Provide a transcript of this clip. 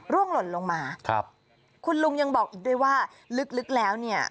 หล่นลงมาครับคุณลุงยังบอกอีกด้วยว่าลึกแล้วเนี่ย